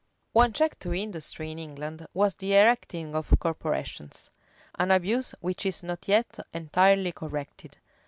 One check to industry in England was the erecting of corporations; an abuse which is not yet entirely corrected.